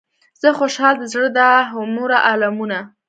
زه خوشحال د زړه دا هومره المونه.